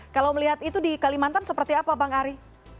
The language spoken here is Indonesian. kalau melihat itu di kalimantan seperti apa bang ari